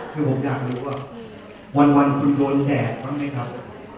คือผมอยากรู้ว่าวันคุณโดนแห่บ้างไหมครับ